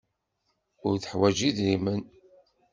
Ur teḥwaj idrimen.